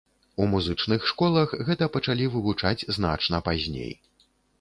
У музычных школах гэта пачалі вывучаць значна пазней.